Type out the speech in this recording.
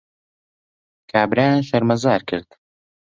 کابرایان شەرمەزار کرد